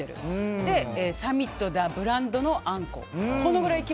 で、サミットだブランドのアンコウ。